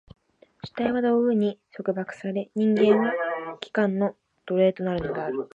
主体は道具に束縛され、人間は器官の奴隷となるのである。